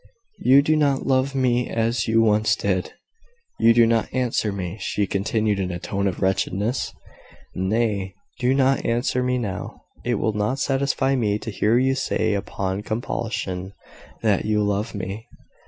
You do not love me as you once did... You do not answer me," she continued in a tone of wretchedness. "Nay, do not answer me now. It will not satisfy me to hear you say upon compulsion that you love me.